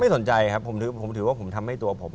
สนใจครับผมถือว่าผมทำให้ตัวผม